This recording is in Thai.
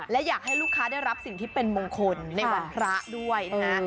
และอยากให้ลูกค้าได้รับสิ่งที่เป็นมงคลในวันพระด้วยนะฮะ